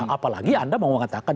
apalagi anda mau mengatakan